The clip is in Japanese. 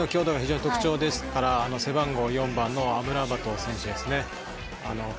中盤の守備の強度が特徴的ですから背番号４番のアムラバト選手ですね。